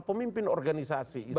pemimpin organisasi islam